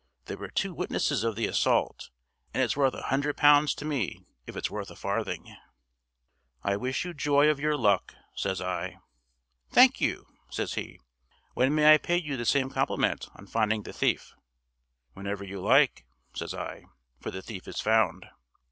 There were two witnesses of the assault, and it's worth a hundred pounds to me if it's worth a farthing." "I wish you joy of your luck," says I. "Thank you," says he. "When may I pay you the same compliment on finding the thief?" "Whenever you like," says I, "for the thief is found."